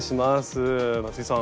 松井さん